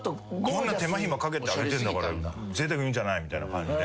「こんな手間暇かけてあげてんだからぜいたく言うんじゃない」みたいな感じで。